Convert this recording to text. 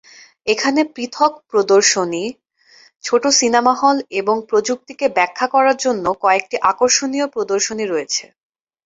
এখানে পৃথক প্রদর্শনী, ছোট সিনেমা হল এবং প্রযুক্তিকে ব্যাখ্যা করার জন্য কয়েকটি আকর্ষণীয় প্রদর্শনী রয়েছে।